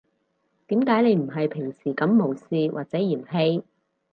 點解你唔係平時噉無視或者嫌棄